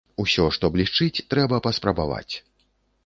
Усё, што блішчыць, трэба паспрабаваць.